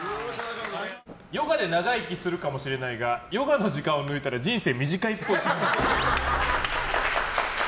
ヨガで長生きするかもしれないがヨガの時間を抜いたら人生短いっぽい。